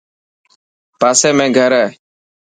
پاسي ۾ گهر هي.